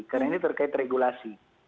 karena ini terkait regulasi